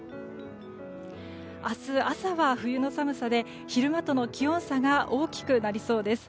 明日朝は冬の寒さで昼間との気温差が大きくなりそうです。